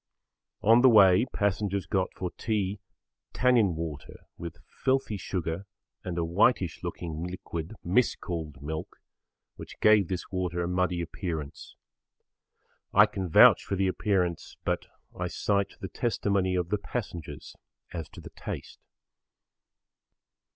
On the way passengers got for tea tannin water with filthy sugar and a whitish looking liquid mis called milk which gave this water a muddy appearance. I can vouch for the appearance, but I cite the testimony of the passengers as to the taste.